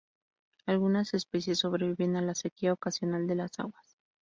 Algunas especies sobreviven a la sequía ocasional de las aguas.